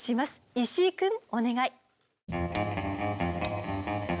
石井くんお願い。